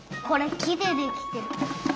これきでできてる。